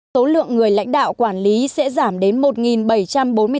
tố lượng người lãnh đạo quản lý sẽ giảm đến một bảy trăm bốn mươi tám người